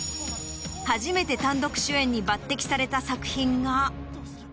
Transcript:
初めて単独主演に抜てきされた作品が。